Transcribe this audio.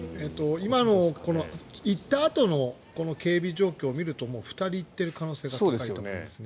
今の行ったあとの警備状況を見るともう２人行っている可能性が高いと思いますね。